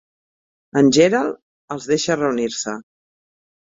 En Gerald els deixa reunir-se.